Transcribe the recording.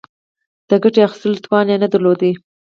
د ګټې اخیستلو توان نه درلود.